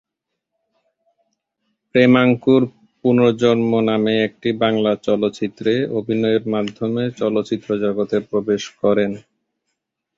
প্রেমাঙ্কুর পুনর্জন্ম নামে একটি বাংলা চলচ্চিত্রে অভিনয়ের মাধ্যমে চলচ্চিত্র জগতে প্রবেশ করেন।